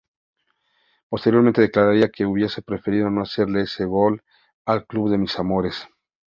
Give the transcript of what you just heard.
Posteriormente declararía que "Hubiese preferido no hacerle ese gol al club de mis amores".